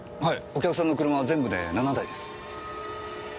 お客さんの車は全部で７台です。